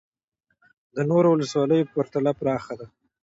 د نورو ولسوالیو په پرتله پراخه ده